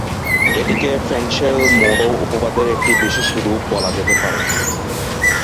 এটিকে ফেনশেল-মোরো উপপাদ্যের একটি বিশেষ রূপ বলা যেতে পারে।